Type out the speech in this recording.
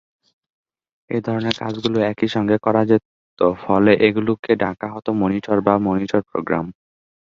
এই ধরনের কাজগুলো একই সঙ্গে করা যেত ফলে এগুলো কে ডাকা হত মনিটর বা মনিটর প্রোগ্রাম।